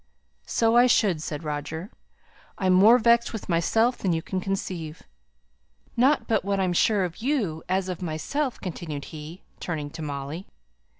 "So I should," said Roger. "I'm more vexed with myself than you can conceive. Not but what I'm as sure of you as of myself," continued he, turning to Molly.